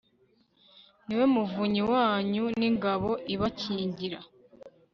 ni we muvunyi wanyu n'ingabo ibakingira